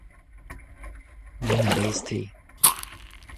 lenn a rez-te.